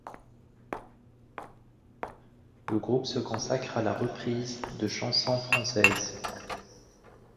Le groupe se consacre à la reprise de chansons françaises.